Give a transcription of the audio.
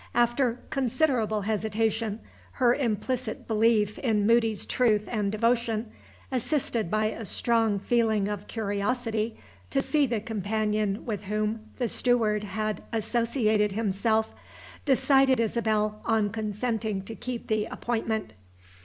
After considerable hesitation, her implicit belief in Moody's truth and devotion, assisted by a strong feeling of curiosity to see the companion with whom the steward had associated himself, decided Isabel on consenting to keep the appointment.